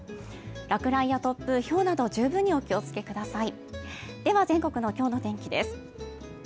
落雷や突風、ひょうなど十分にお気をつけください。